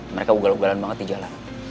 mereka ugal ugalan banget di jalan